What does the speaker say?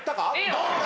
どうだ